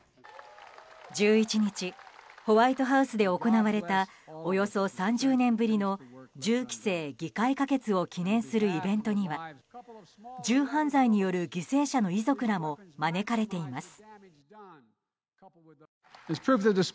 １１日ホワイトハウスで行われたおよそ３０年ぶりの銃規制議会可決を記念するイベントには銃犯罪による犠牲者の遺族らも招かれています。